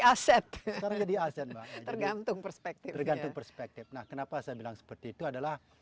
aset tergantung perspektif tergantung perspektif nah kenapa saya bilang seperti itu adalah